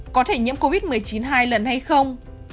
có thể nhiễm covid một mươi chín hai lần hay không